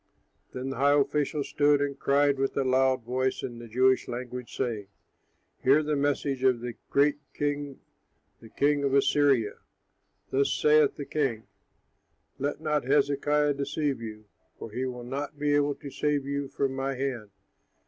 Then the high official stood and cried with a loud voice, in the Jewish language, saying, "Hear the message of the great king, the king of Assyria. 'Thus saith the king, Let not Hezekiah deceive you; for he will not be able to save you from my hand.